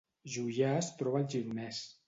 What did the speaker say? Juià es troba al Gironès